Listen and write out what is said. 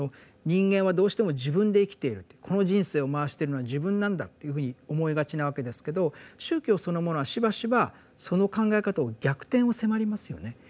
人間はどうしても自分で生きているとこの人生を回してるのは自分なんだというふうに思いがちなわけですけど宗教そのものはしばしばその考え方を逆転を迫りますよね。